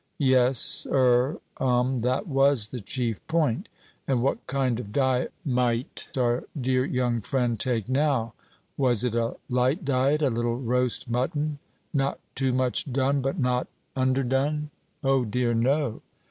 Yes er um, that was the chief point. And what kind of diet might our dear young friend take now? Was it a light diet, a little roast mutton not too much done, but not underdone? O dear, no.